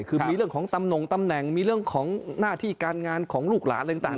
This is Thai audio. คือมีเรื่องของตำหนงตำแหน่งมีเรื่องของหน้าที่การงานของลูกหลานอะไรต่าง